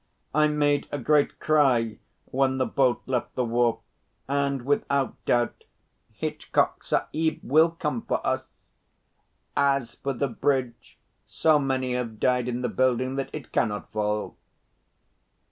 I made a great cry when the boat left the wharf and without doubt Hitchcock Sahib will come for us. As for the bridge, so many have died in the building that it cannot fall."